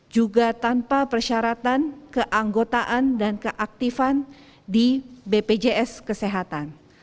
juga tanpa persyaratan keanggotaan dan keaktifan di bpjs kesehatan